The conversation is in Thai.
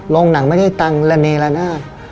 หนังไม่ได้ตังค์ระเนละนาด